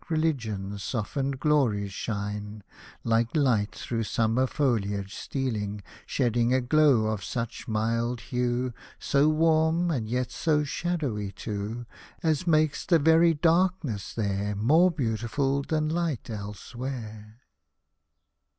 Religion's softened glories shine, Like light through summer foliage stealing, Shedding a glow of such mild hue, So warm, and yet so shadowy too, As makes the very darkness there More beautiful than hght elsewhere.